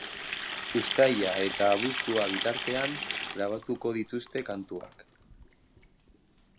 Uztaila eta abuztua bitartean grabatuko dituzte kantuak.